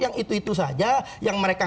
yang itu itu saja yang mereka